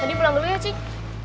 nadin pulang dulu ya sing